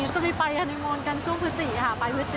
จะไปฮานิมนต์กันช่วงพฤศจิค่ะไปพฤศจิ